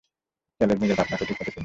Caleb নিজের বাপ মাকেই ঠিকমতো চিনবেনা।